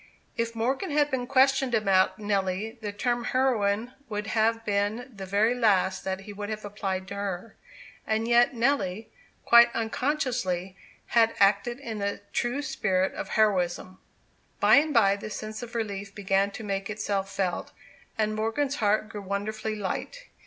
If Morgan had been questioned about Nelly, the term "heroine" would have been the very last that he would have applied to her. And yet Nelly, quite unconsciously, had acted in the true spirit of heroism. By and by the sense of relief began to make itself felt, and Morgan's heart grew wonderfully light.